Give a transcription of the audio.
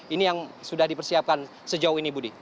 ini yang sudah dipersiapkan sejauh ini budi